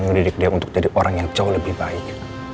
mendidik dia untuk jadi orang yang jauh lebih baik